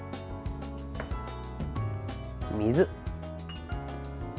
水。